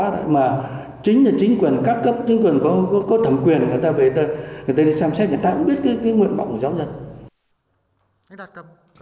người ta về đây người ta đi xem xét người ta cũng biết cái nguyện mộng của giáo dân